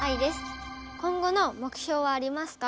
今後の目標はありますか？